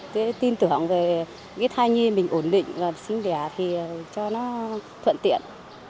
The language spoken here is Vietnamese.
tôi tin tưởng về cái thai nhi mình ổn định và sinh đẻ thì cho nó thuận tiện